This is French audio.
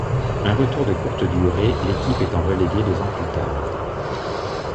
Un retour de courte durée, l'équipe étant reléguée deux ans plus tard.